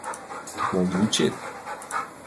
Мом вучет?